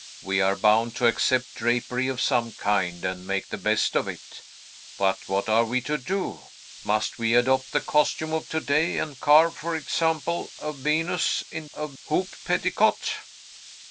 We are bound to accept drapery of some kind, and make the best of it. But what are we to do? Must we adopt the costume of to day, and carve, for example, a Venus in a hoop petticoat?"